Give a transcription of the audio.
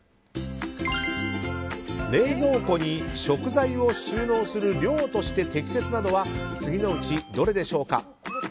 冷蔵室に食材を収納する量として適切なのは次のうちどれでしょうか。